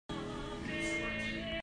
Vok an i kawng khih.